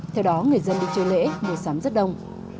theo đó người dân đi chơi lễ mua sắm rất đông